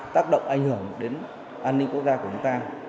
tác động ảnh hưởng đến an ninh quốc gia của chúng ta